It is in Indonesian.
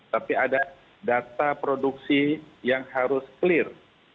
tapi ada data produksi yang harus clear